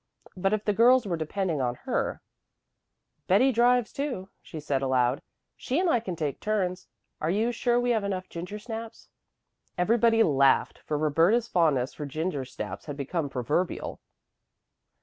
But if the girls were depending on her "Betty drives too," she said aloud. "She and I can take turns. Are you sure we have enough gingersnaps?" Everybody laughed, for Roberta's fondness for gingersnaps had become proverbial.